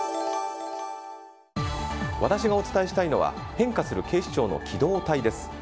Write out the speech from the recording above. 私がお伝えしたいのは変化する警視庁の機動隊です。